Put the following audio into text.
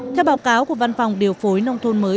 theo báo cáo của văn phòng điều phối nông thôn mới